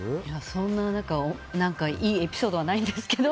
そんな、何かいいエピソードはないですが。